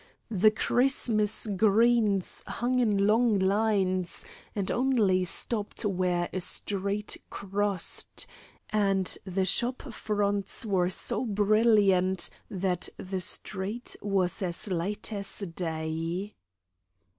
The Christmas greens hung in long lines, and only stopped where a street crossed, and the shop fronts were so brilliant that the street was as light as day.